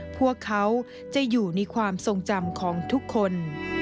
พวกเขาจะอยู่ในความทรงจำของทุกคน